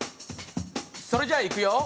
それじゃあいくよ